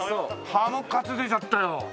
ハムカツ出ちゃったよ。